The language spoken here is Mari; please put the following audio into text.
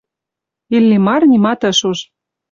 Иллимар нимат ыш уж.